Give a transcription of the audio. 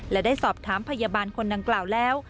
และได้สอบถามพยาบาลคนดังกล่าวแล้ว